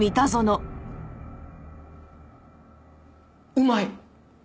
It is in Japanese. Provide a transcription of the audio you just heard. うまい！